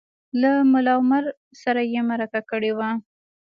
له ملا عمر سره یې مرکه کړې وه